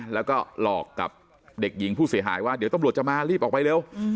แล้วก็หลอกกับเด็กหญิงผู้เสียหายว่าเดี๋ยวตำรวจจะมารีบออกไปเร็ว